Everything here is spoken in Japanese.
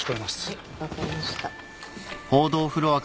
はい分かりました。